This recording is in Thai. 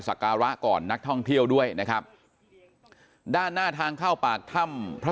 การะก่อนนักท่องเที่ยวด้วยนะครับด้านหน้าทางเข้าปากถ้ำพระ